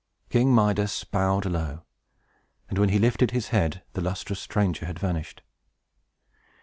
King Midas bowed low; and when he lifted his head, the lustrous stranger had vanished.